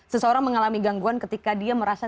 seseorang mengalami gangguan ketika dia merasa